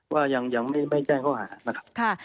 ว่ายังไม่แจ้งข้อหานะครับ